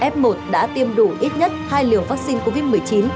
f một đã tiêm đủ ít nhất hai liều vắc xin covid một mươi chín